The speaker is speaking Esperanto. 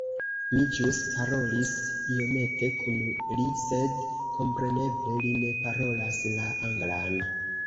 Mi ĵus parolis iomete kun li sed kompreneble li ne parolas la anglan